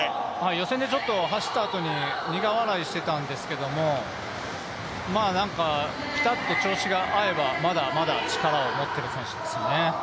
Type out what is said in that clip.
予選でちょっと走ったあとに苦笑いしてたんですけれども、ぴたっと調子が合えば、まだまだ力を持っている選手ですね。